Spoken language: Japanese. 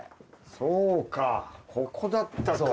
そうかここだったか。